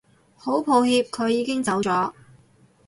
好抱歉佢已經走咗